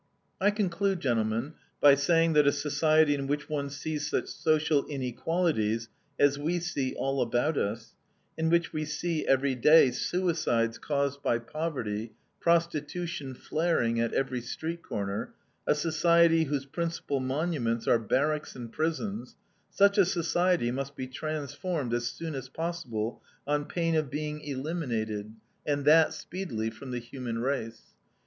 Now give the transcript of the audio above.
"I conclude, gentlemen, by saying that a society in which one sees such social inequalities as we see all about us, in which we see every day suicides caused by poverty, prostitution flaring at every street corner, a society whose principal monuments are barracks and prisons, such a society must be transformed as soon as possible, on pain of being eliminated, and that speedily, from the human race.